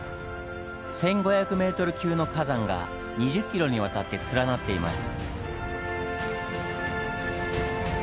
１５００ｍ級の火山が２０ｋｍにわたって連なっています。